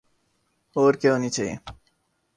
اور کیا ہونی چاہیے۔